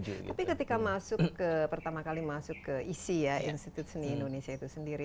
tapi ketika masuk pertama kali masuk ke isi ya institut seni indonesia itu sendiri